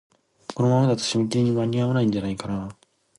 このままだと、締め切りに間に合わないんじゃないかなあ。